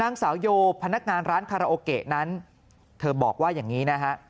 นางสาวโยพนักงานร้านคาราโอเกะนั้นเธอบอกว่าอย่างนี้นะฮะ